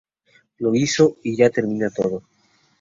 Lo hizo y ya termina Todo.